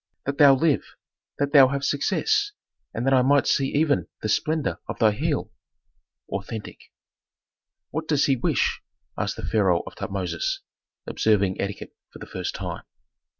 That thou live! That thou have success, and that I might see even the splendor of thy heel." Authentic. "What does he wish?" asked the pharaoh of Tutmosis, observing etiquette for the first time.